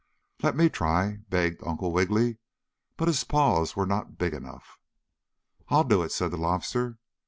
"Let me try!" begged Uncle Wiggily. But his paws were not big enough. "I'll do it!" said the Lobster.